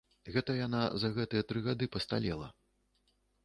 Гэта яна за гэтыя тры гады пасталела.